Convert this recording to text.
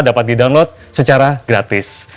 dapat didownload secara gratis